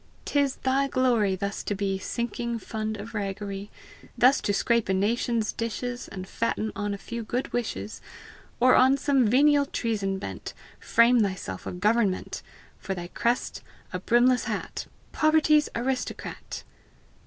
'Tis thy glory thus to be Sinking fund of raggery! Thus to scrape a nation's dishes, And fatten on a few good wishes! Or, on some venial treason bent, Frame thyself a government, For thy crest a brirnless hat, Poverty's aristocrat!